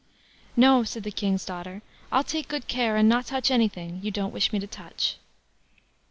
"No", said the King's daughter; "I'll take good care and not touch anything you don't wish me to touch."